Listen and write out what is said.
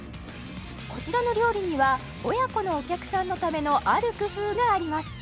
こちらの料理には親子のお客さんのためのある工夫があります